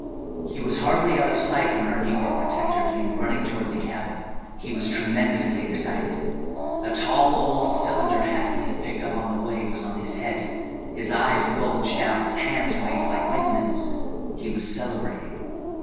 He was hardly out of sight when our negro protector came running toward the cabin. He was tremendously excited. A tall, old cylinder hat he had picked up on the way was on his head, his eyes bulged out, his hands waved like windmills; he was celebrating.